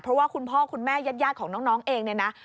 เพราะว่าคุณพ่อคุณแม่ญาติของน้องเองเนี่ยนะ